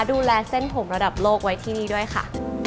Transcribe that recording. ดูแลเส้นผมระดับโลกไว้ที่นี่ด้วยค่ะ